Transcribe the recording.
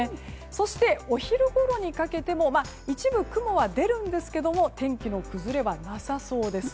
そして、お昼ごろにかけても一部、雲は出るんですけども天気の崩れはなさそうです。